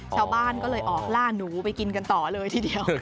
ชาวบ้านก็เลยออกล่าหนูไปกินกันต่อเลยทีเดียว